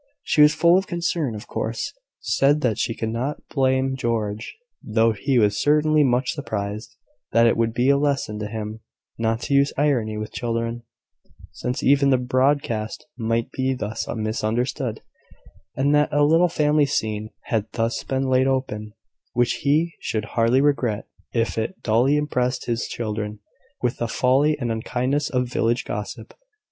He was full of concern, of course; said that he could not blame George, though he was certainly much surprised; that it would be a lesson to him not to use irony with children, since even the broadest might be thus misunderstood; and that a little family scene had thus been laid open, which he should hardly regret if it duly impressed his children with the folly and unkindness of village gossip.